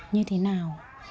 như thế nào